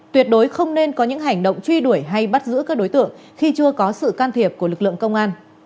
tuyệt đối không nên có những hành động truy đuổi hay bắt giữ các đối tượng khi chưa có sự can thiệp của lực lượng công an